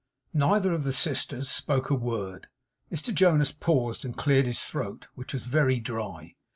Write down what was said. Neither of the sisters spoke a word. Mr Jonas paused and cleared his throat, which was very dry.